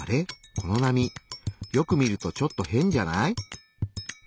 この波よく見るとちょっと変じゃない？